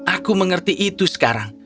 aku mengerti itu sekarang